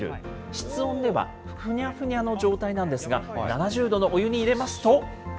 室温では、ふにゃふにゃの状態なんですが、７０度のお湯に入れますと。